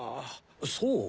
そう！